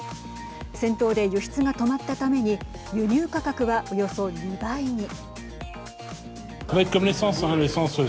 戦闘で輸出が止まったために輸入価格は、およそ２倍に。